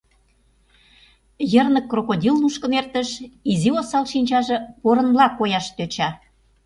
Йырнык крокодил нушкын эртыш — изи осал шинчаже порынла кояш тӧча.